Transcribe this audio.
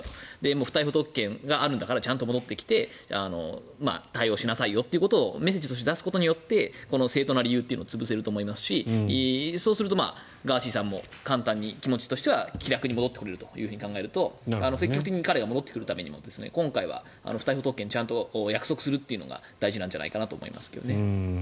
不逮捕特権があるんだからちゃんと戻ってきて対応しなさいよということをメッセージとして出すことによってこの正当な理由というのを潰せると思いますしそうすると、ガーシーさんも簡単に気持ちとしては気楽に戻ってこれると考えると積極的に彼が戻ってくるためにも今回は不逮捕特権ちゃんと約束するというのが大事なんじゃないかなと思いますけどね。